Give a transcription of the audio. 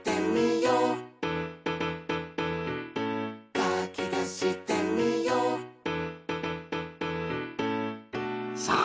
「かきたしてみよう」さあ！